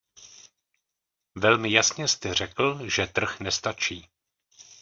Velmi jasně jste řekl, že trh nestačí.